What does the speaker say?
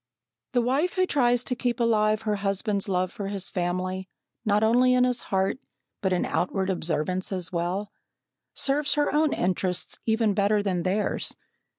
The wife who tries to keep alive her husband's love for his family, not only in his heart, but in outward observance as well, serves her own interests even better than theirs.